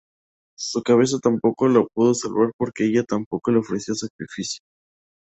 Su cabeza tampoco lo pudo salvar porque a ella tampoco le ofreció sacrificio.